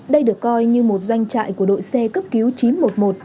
đây được coi như một doanh trại của đội xe cấp cứu chín trăm một mươi một